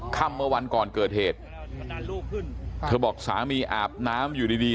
ค่ำเมื่อวันก่อนเกิดเหตุเธอบอกสามีอาบน้ำอยู่ดีดี